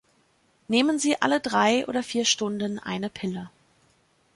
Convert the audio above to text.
Nehmen Sie alle drei oder vier Stunden eine Pille.